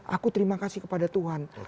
aku terima kasih kepada tuhan